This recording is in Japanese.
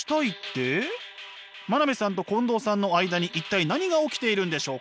真鍋さんと近藤さんの間に一体何が起きているんでしょうか？